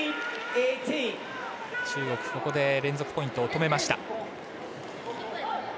中国、ここで連続ポイントを止めました。